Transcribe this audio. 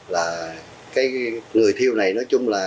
là cái người thiêu này nói chung là